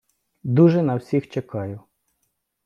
Дуже на всіх чекаю!